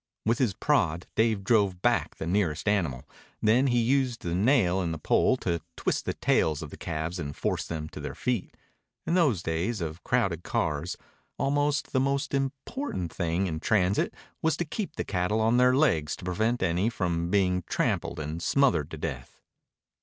With his prod Dave drove back the nearest animal. Then he used the nail in the pole to twist the tails of the calves and force them to their feet. In those days of crowded cars almost the most important thing in transit was to keep the cattle on their legs to prevent any from being trampled and smothered to death.